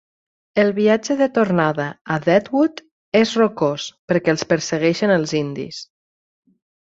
El viatge de tornada a Deadwood es rocós, perquè els persegueixen els indis.